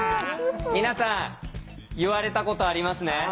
皆さん言われたことありますね？